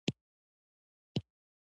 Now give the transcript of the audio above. باران د افغانستان د سیلګرۍ برخه ده.